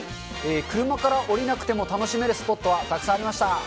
車から降りなくても楽しめるスポットはたくさんありました。